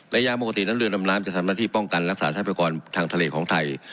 ในยามกว่าติดน้ำน้ำจะทำหน้าที่ป้องกันรักษาใช้ประกอบทางทะเลของไทย